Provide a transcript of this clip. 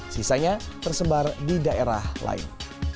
sisanya tersebar di daerah lain